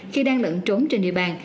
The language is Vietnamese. khi đang lẫn trốn trên địa bàn